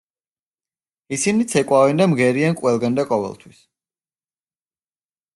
ისინი ცეკვავენ და მღერიან ყველგან და ყოველთვის.